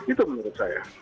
itu menurut saya